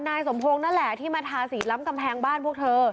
นายสมพงศ์นั่นแหละที่มาทาสีล้ำกำแพงบ้านพวกเธอ